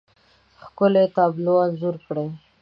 ښکلې، تابلو انځور کړي